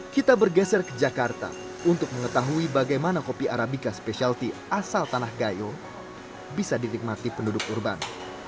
kita bergeser ke jakarta untuk mengetahui bagaimana kopi arabica specialty asal tanah gayo bisa dinikmati penduduk urban